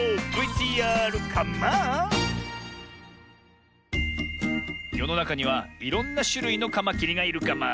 ＶＴＲカマン！よのなかにはいろんなしゅるいのカマキリがいるカマ。